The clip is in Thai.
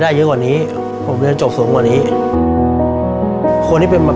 ถ้าถูกห้อนี้เนาะจะหนึ่งแสนหนอแล้วนะครับ